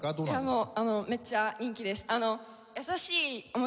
いやもうめっちゃ人気です。